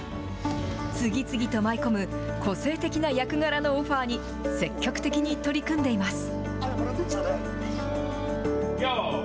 次々と舞い込む個性的な役柄のオファーに積極的に取り組んでいます。